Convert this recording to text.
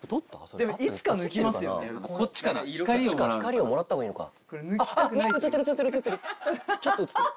光をもらった方がいいのか。